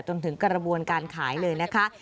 จนถึงกระบวนการขายเลยนะคะ